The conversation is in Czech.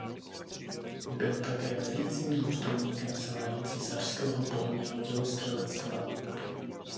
Byl také velícím důstojníkem celého císařského polního dělostřelectva.